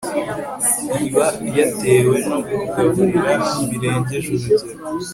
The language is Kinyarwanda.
iba yatewe no kugaburirwa birengeje urugero